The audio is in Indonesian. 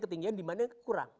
ketinggian demandnya kurang